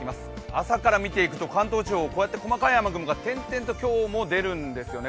朝から見ていくと関東地方こうやって細かい雨雲が点々と今日も出るんですよね。